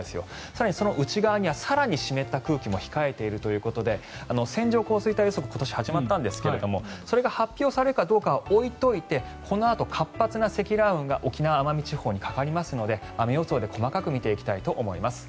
更にその内側には更に湿った空気も控えているということで線状降水帯予測今年、始まったんですがそれが発表されるかどうかは置いておいてこのあと、活発な積乱雲が沖縄・奄美地方にかかりますので雨予想で細かく見ていきます。